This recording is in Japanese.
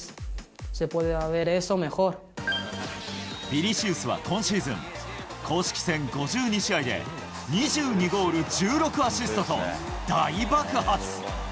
ビニシウスは今シーズン、公式戦５２試合で２２ゴール１６アシストと、大爆発。